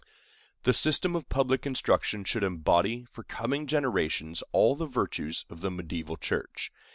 The system of public instruction should embody for coming generations all the virtues of the mediæval church.